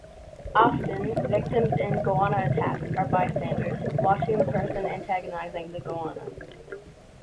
Often, victims in goanna attacks are bystanders, watching the person antagonising the goanna.